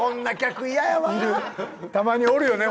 たまにおるよね。